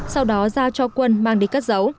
sau đó giao cho quân mang đi cất giấu